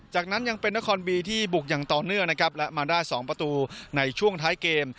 จากนั้นยังเป็นนครบีที่บุกอย่างต่อเนื่องนะครับและมาได้๒ประตูในช่วงท้ายเกม